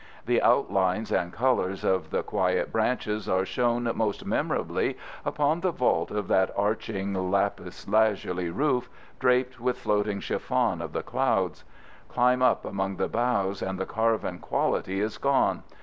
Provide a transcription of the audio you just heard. The outlines and colors of the quiet branches are shown most memorably upon the vault of that arching lapis lazuli roof, draped with floating chiffon of the clouds. Climb up among the boughs, and the carven quality is gone.